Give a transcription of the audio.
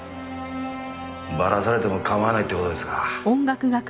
ばらされてもかまわないって事ですか？